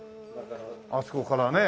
あそこからね。